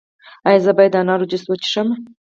ایا زه باید د انار جوس وڅښم؟